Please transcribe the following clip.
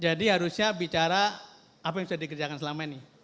jadi harusnya bicara apa yang sudah dikerjakan selama ini